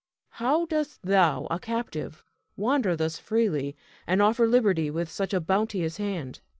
How dost thou, a captive, wander thus freely, and offer liberty with such a bounteous hand?